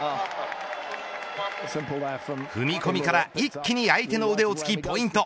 踏み込みから一気に相手の腕を突きポイント。